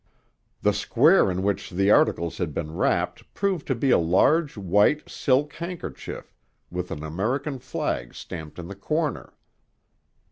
The square in which the articles had been wrapped proved to be a large white silk handkerchief with an American flag stamped in the corner.